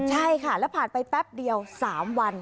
ใช่ค่ะแล้วผ่านไปแป๊บเดียว๓วัน